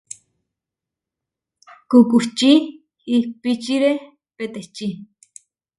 Kukuči ihpíčire peteči.